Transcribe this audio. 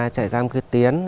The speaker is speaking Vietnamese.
trại giam quyết tiến